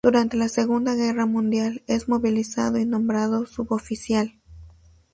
Durante la Segunda Guerra mundial es movilizado y nombrado suboficial.